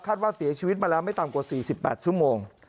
ว่าเสียชีวิตมาแล้วไม่ต่ำกว่า๔๘ชั่วโมง